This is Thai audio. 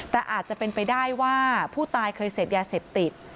แต่อาจจะเป็นไปได้ว่าผู้ตายเคยเสพยาเสพติด